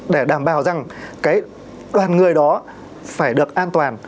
để đảm bảo rằng cái đoàn người đó phải được an toàn